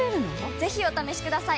ぜひお試しください！